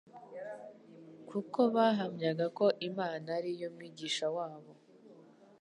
kuko bahamyaga ko Imana ari yo mwigisha wa bo.